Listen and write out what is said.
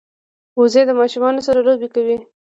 وزې د ماشومانو سره لوبې کوي